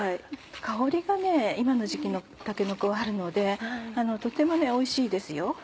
香りが今の時期のたけのこはあるのでとてもおいしいですよ。